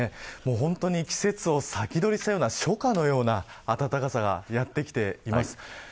本当に季節を先取りしたような初夏のような暖かさがやってきています。